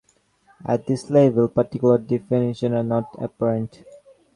At this level, particular definitions are not apparent.